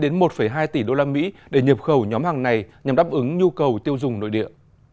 việt nam phải chi đến một hai tỷ usd để nhập khẩu nhóm hàng này nhằm đáp ứng nhu cầu tiêu dùng nội địa